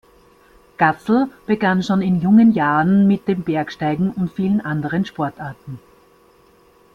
Graßl begann schon in jungen Jahren mit dem Bergsteigen und vielen anderen Sportarten.